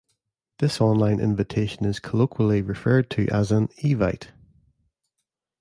This online invitation is colloquially referred to as "an Evite".